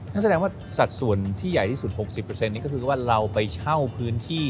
นั่นแสดงว่าสัดส่วนที่ใหญ่ที่สุด๖๐นี่ก็คือว่าเราไปเช่าพื้นที่